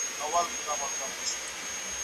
که منفي چلند ته پام ونشي نو کله ناکله ورک کیږي.